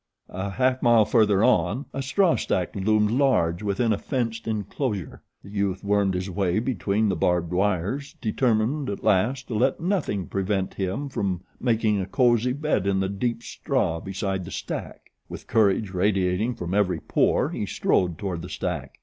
A half mile further on a straw stack loomed large within a fenced enclosure. The youth wormed his way between the barbed wires determined at last to let nothing prevent him from making a cozy bed in the deep straw beside the stack. With courage radiating from every pore he strode toward the stack.